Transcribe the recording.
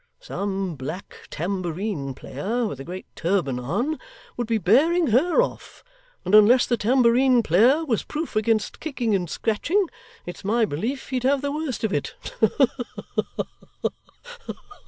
Some black tambourine player, with a great turban on, would be bearing HER off, and, unless the tambourine player was proof against kicking and scratching, it's my belief he'd have the worst of it.